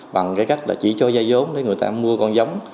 bằng cách chỉ cho dây giống để người ta mua con giống